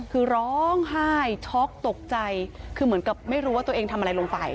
คือร้องไห้ช็อกตกใจคือเหมือนกับไม่รู้ว่าตัวเองทำอะไรลงไป